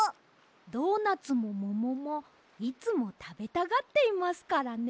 ドーナツももももいつもたべたがっていますからね。